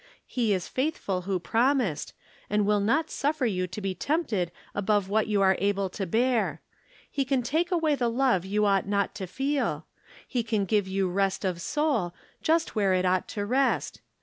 He is faithful who promised, and will not suffer you to be tempted above what you are able to bear. He can take awaj' the love you ought not to feel. He can give you rest of soul, just where it ought to rest.